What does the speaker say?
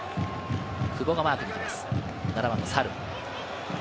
久保がマークに行きます、サル。